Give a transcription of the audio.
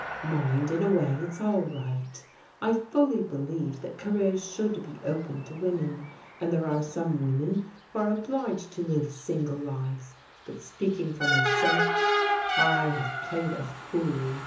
Mind, in a way, it's all right. I fully believe that careers should be open to women, and there are some women who are obliged to live single lives, but speaking for myself, I have played a fool.